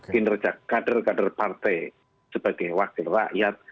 kinerja kader kader partai sebagai wakil rakyat